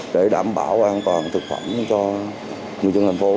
để đảm bảo an toàn thực phẩm cho người dân thành phố